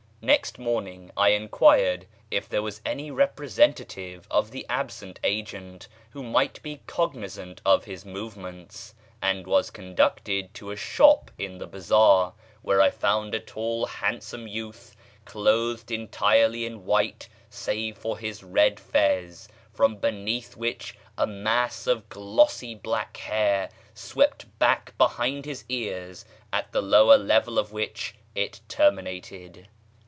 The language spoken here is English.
Next morning I enquired if there was any representative of the absent agent who might be cognizant of his movements, and was conducted to a shop in the bazaar, where I found a tall handsome youth clothed entirely in white save for his red fez, from beneath which a mass of glossy black hair swept back behind his ears, at the lower level of which it terminated.